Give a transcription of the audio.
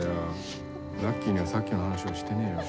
ラッキーにはさっきの話はしてねえよ。